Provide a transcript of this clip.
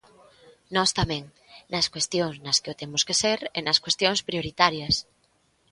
Nós tamén, nas cuestións nas que o temos que ser e nas cuestións prioritarias.